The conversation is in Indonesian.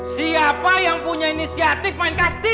siapa yang punya inisiatif main kastil